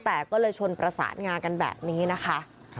แต่ก็เลยชนประสานงากันแบบนี้นะคะ